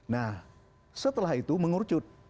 nah setelah itu mengurcut